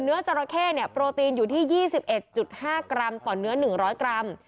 จราเข้โปรตีนอยู่ที่๒๑๕กรัมต่อเนื้อ๑๐๐กรัม